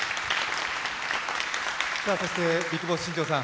そしてビッグボス、新庄さん。